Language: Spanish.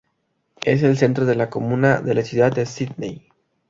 Es el centro de la comuna de la ciudad de Sídney.